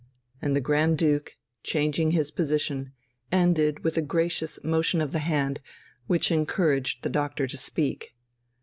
And the Grand Duke, changing his position, ended with a gracious motion of the hand, which encouraged the doctor to speak.